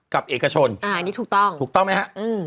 เอกชนอันนี้ถูกต้องถูกต้องไหมฮะอืม